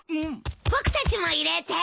僕たちも入れて。